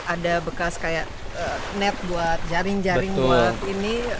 ada bekas kayak net buat jaring jaring buat ini